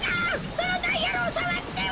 そのダイヤルをさわっては！